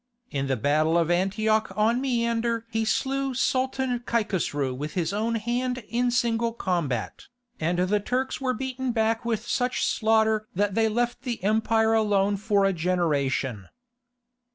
In the battle of Antioch on Maeander he slew Sultan Kaikhosru with his own hand in single combat, and the Turks were beaten back with such slaughter that they left the empire alone for a generation.